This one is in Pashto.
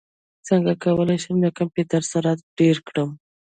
څنګه کولی شم د کمپیوټر سرعت ډېر کړم